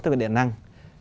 tất cả điện năng